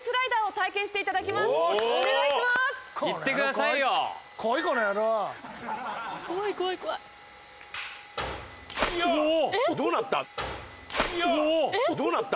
竹山：どうなった？